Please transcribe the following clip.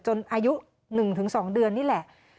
อายุ๑๒เดือนนี่แหละ